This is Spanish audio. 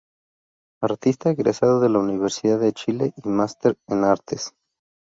Artista egresada de la Universidad de Chile y máster en Artes.